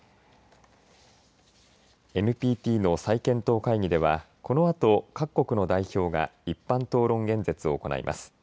ＮＰＴの再検討会議ではこのあと各国の代表が一般討論演説を行います。